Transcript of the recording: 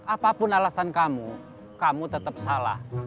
apapun alasan kamu kamu tetap salah